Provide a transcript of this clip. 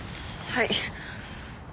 はい！